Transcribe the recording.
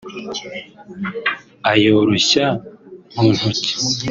ayoroshya mu ntoki